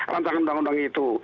rancangan undang undang itu